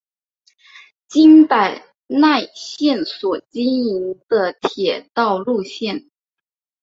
京阪奈线所经营的铁道路线。